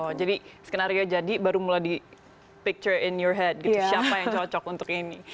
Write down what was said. oh jadi skenario jadi baru mulai di picture in your head gitu siapa yang cocok untuk ini